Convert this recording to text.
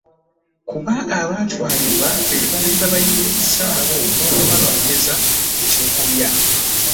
Kuba abaatwalibwa be baali babayimirizaawo n'okubanoonyeza eky'okulya.